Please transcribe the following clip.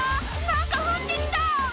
なんか入ってきた。